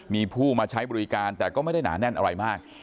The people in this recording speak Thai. มีผู้มาใช้บริการแต่ก็ไม่ได้หนาแน่นอะไรมาก